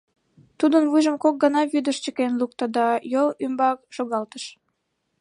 Тудын вуйжым кок гана вӱдыш чыкен лукто да йол ӱмбак шогалтыш.